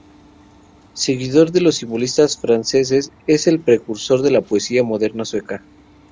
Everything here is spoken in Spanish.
Seguidor de los simbolistas franceses, es el precursor de la poesía moderna sueca.